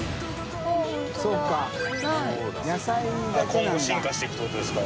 今後進化していくってことですか？